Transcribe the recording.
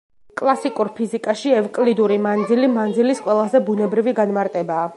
კლასიკურ ფიზიკაში ევკლიდური მანძილი მანძილის ყველაზე ბუნებრივი განმარტებაა.